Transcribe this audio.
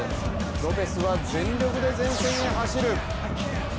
ロペスは全力で前線へ走る。